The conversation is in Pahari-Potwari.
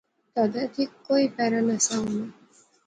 تد ایتھیں کوئی پہرہ نہسا ہونا